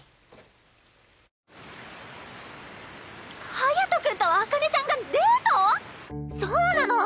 隼君と紅葉ちゃんがデート⁉そうなの！